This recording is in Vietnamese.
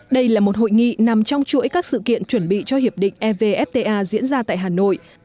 đây là một hội nghị nằm trong chuỗi các sự kiện chuẩn bị cho hiệp định evfta diễn ra tại hà nội